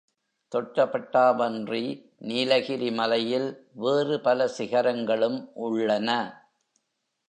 தொட்டபெட்டாவன்றி நீலகிரி மலையில் வேறு பல சிகரங்களும் உள்ளன.